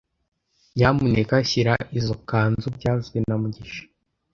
Nyamuneka shyira izoi kanzu byavuzwe na mugisha